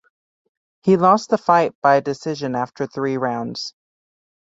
He lost the fight by decision after three rounds.